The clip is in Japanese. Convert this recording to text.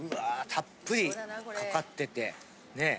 たっぷりかかっててねえ